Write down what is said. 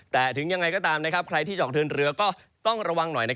แต่ถึงยังไงก็ตามใครที่จะออกเดินเรือก็ต้องระวังหน่อย